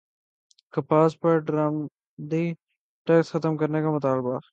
کپاس پر درامدی ٹیکس ختم کرنے کا مطالبہ